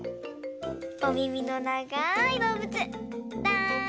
おみみのながいどうぶつだれだ？